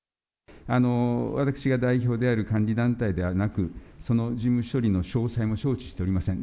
私が代表である管理団体ではなく、その事務処理の詳細も承知しておりません。